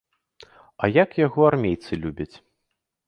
А як яго армейцы любяць.